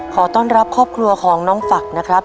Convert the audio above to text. ขอต้อนรับครอบครัวของน้องฝักนะครับ